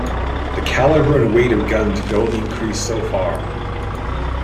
The calibre and weight of guns could only increase so far.